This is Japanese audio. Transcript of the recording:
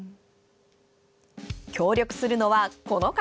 協力するのは、この方。